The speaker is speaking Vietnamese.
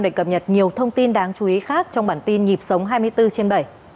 để cập nhật nhiều thông tin đáng chú ý khác trong bản tin nhịp sống hai mươi bốn trên bảy